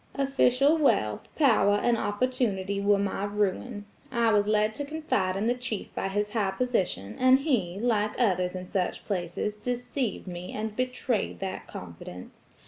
"Official wealth, power and opportunity were my ruin. I was led to confide in the chief by his high position; and he, like others in such places, deceived me and betrayed that confidence.